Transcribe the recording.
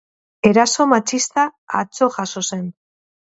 Eraso matxista atzo jazo zen.